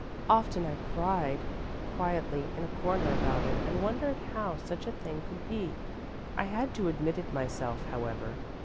Often I cried quietly in a corner about it and wondered how such a thing could be. I had to admit it myself, however.